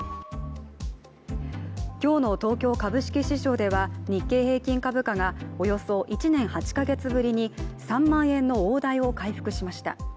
今日の東京株式市場では日経平均株価がおよそ１年８か月ぶりに３万円の大台を回復しました。